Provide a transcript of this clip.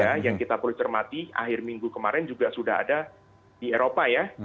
ya yang kita perlu cermati akhir minggu kemarin juga sudah ada di eropa ya